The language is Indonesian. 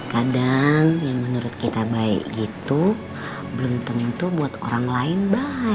kadang yang menurut kita baik gitu belum tentu buat orang lain baik